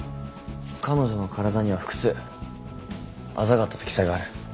彼女の体には複数あざがあったと記載がある。